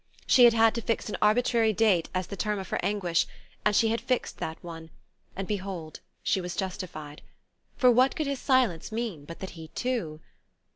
She had had to fix an arbitrary date as the term of her anguish, and she had fixed that one; and behold she was justified. For what could his silence mean but that he too....